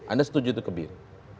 anda setuju itu kebiri